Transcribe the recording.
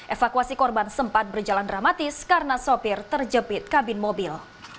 evakuasi korban sempat berjalan dramatis karena sopir terjepit kabin mobil